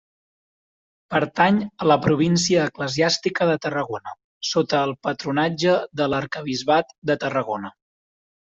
Pertany a la província eclesiàstica de Tarragona, sota el patronatge de l'arquebisbat de Tarragona.